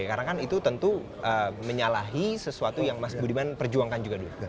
karena kan itu tentu menyalahi sesuatu yang mas budiman perjuangkan juga dulu